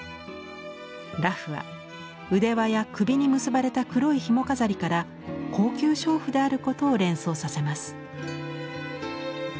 裸婦は腕輪や首に結ばれた黒いひも飾りから高級娼婦であることを連想させます。